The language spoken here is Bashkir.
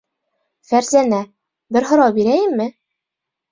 Фәрзәнә, бер һорау бирәйемме?